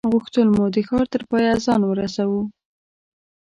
غوښتل مو د ښار تر پایه ځان ورسوو.